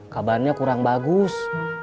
kabarnya kurang bagus